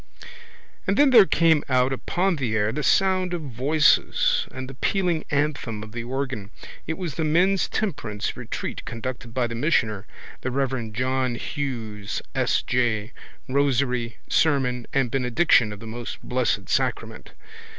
And then there came out upon the air the sound of voices and the pealing anthem of the organ. It was the men's temperance retreat conducted by the missioner, the reverend John Hughes S. J., rosary, sermon and benediction of the Most Blessed Sacrament.